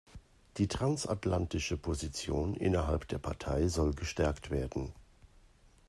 Die Transatlantische Position innerhalb der Partei soll gestärkt werden.